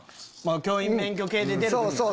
教員免許系で出る時はな。